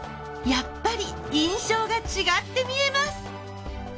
やっぱり印象が違って見えます。